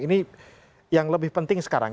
ini yang lebih penting sekarang